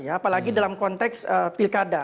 apalagi dalam konteks pilkada